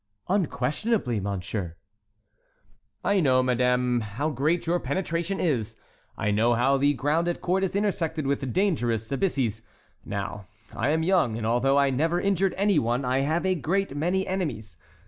"Unquestionably, Monsieur." "I know, Madame, how great your penetration is; I know how the ground at court is intersected with dangerous abysses. Now, I am young, and although I never injured any one, I have a great many enemies.